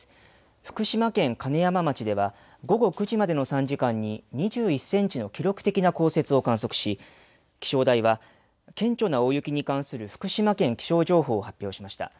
福島県金山町では午後９時までの３時間に２１センチの記録的な降雪を観測し気象台は顕著な大雪に関する福島県気象情報を発表しました。